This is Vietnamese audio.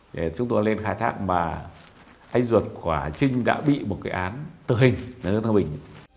để chúng tôi lên khai thác mà anh duật của trinh đã bị một cái án tự hình đến đường thanh bình